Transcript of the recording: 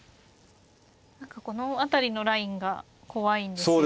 何かこの辺りのラインが怖いんですよね。